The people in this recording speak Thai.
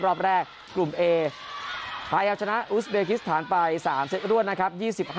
รอบแรกกลุ่มเอพายับชนะอุสเบคิสผ่านไป๓เซตร่วนนะครับ๒๕๑๕